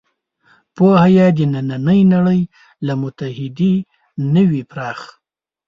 پوهه یې د نننۍ نړۍ له محدودې نه وي پراخ.